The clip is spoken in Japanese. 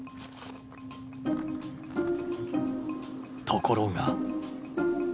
ところが。